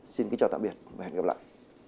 xin kính chào tạm biệt và hẹn gặp lại